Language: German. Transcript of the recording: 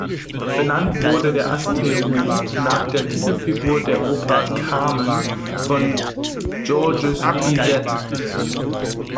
Benannt wurde der Asteroid nach der Titelfigur der Oper "Carmen" von Georges Bizet.